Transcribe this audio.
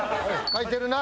書いてるな？